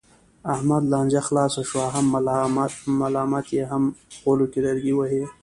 احمده! لانجه خلاصه شوه، هم ملامت یې هم غولو کې لرګی وهې.